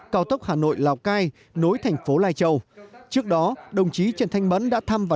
cao tốc hà nội lào cai nối thành phố lai châu trước đó đồng chí trần thanh mẫn đã thăm và